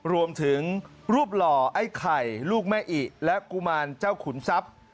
รวมถึงรูปหล่อไอ้ไข่ลูกแม่อิและกุมารเจ้าขุนทรัพย์